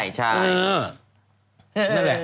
นั่นแหละ